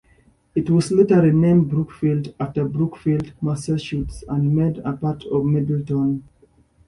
It was later renamed Brookfield, after Brookfield, Massachusetts, and made a part of Middleton.